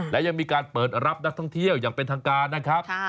และยังมีการเปิดรับนักท่องเที่ยวอย่างเป็นทางการนะครับ